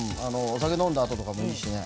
お酒飲んだ後とかもいいしね。